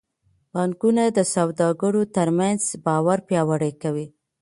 بانکونه د سوداګرو ترمنځ باور پیاوړی کوي.